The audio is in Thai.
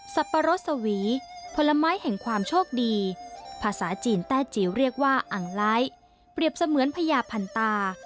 ปะรดสวีผลไม้แห่งความโชคดีภาษาจีนแต้จิ๋วเรียกว่าอังไลท์เปรียบเสมือนพญาพันตา